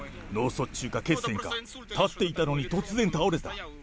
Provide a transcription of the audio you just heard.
脳卒中か血栓か、立っていたのに、突然倒れた。